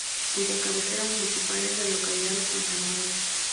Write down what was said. Cuya cabecera municipal es la localidad de San Salvador.